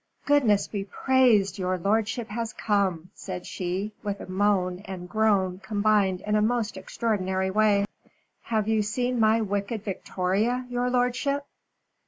"Goodness be praised your lordship has come," said she, with a moan and groan combined in a most extraordinary way. "Have you seen my wicked Victoria, your lordship?"